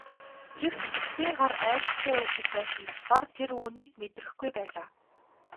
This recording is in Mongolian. Гэвч бүсгүйн гар аймшигтай өвдөж байсан болохоор тэр үүнийг мэдрэхгүй байлаа.